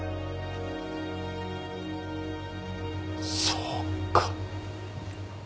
そうか。